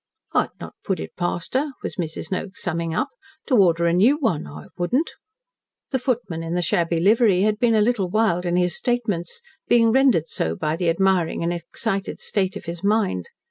"I'd not put it past her," was Mrs. Noakes' summing up, "to order a new one, I wouldn't." The footman in the shabby livery had been a little wild in his statements, being rendered so by the admiring and excited state of his mind.